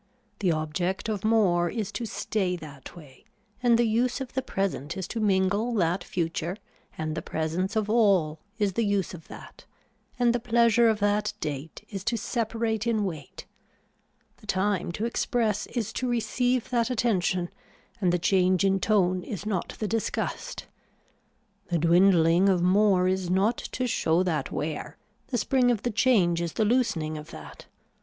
The object of more is to stay that way and the use of the present is to mingle that future and the presence of all is the use of that and the pleasure of that date is to separate in weight. The time to express is to receive that attention and the change in tone is not the disgust. The dwindling of more is not to show that wear, the spring of the change is the loosening of that.